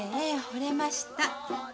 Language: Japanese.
ほれました。